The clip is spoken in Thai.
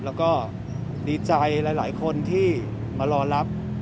แล้วก็ดีใจหลายคนที่มารอรับ